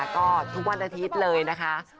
ก็ทุกวันอาทิตย์เลยนะคะ